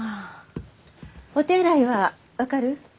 お手洗いは分かる？